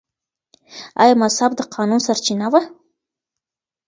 آیا مذهب د قانون سرچینه وه؟